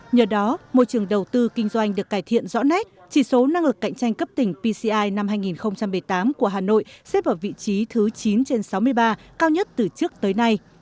nhờ đó môi trường đầu tư kinh doanh được cải thiện rõ nét chỉ số năng lực cạnh tranh cấp tỉnh pci năm hai nghìn một mươi tám của hà nội xếp ở vị trí thứ chín trên sáu mươi ba cao nhất từ trước tới nay